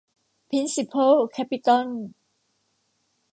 พริ้นซิเพิล แคปิตอล